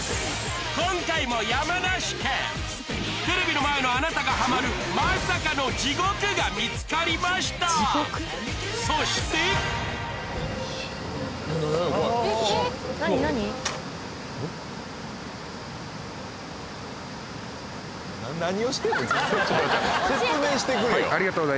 今回も山梨県テレビの前のあなたがハマるまさかの地獄が見つかりましたそして説明してくれよ！